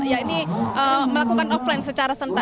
ya ini melakukan offline secara sentani